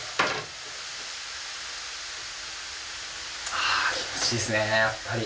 あ気持ちいいですねやっぱり。